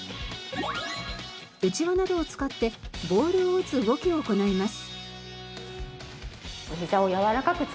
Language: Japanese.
うちわなどを使ってボールを打つ動きを行います。